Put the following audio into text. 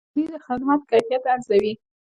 مشتری د خدمت کیفیت ارزوي.